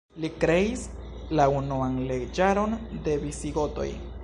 Li kreis la unuan leĝaron de Visigotoj.